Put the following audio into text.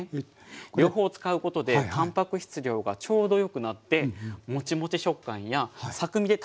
両方を使うことでたんぱく質量がちょうどよくなってモチモチ食感やサクみで食べやすい感じになるんです。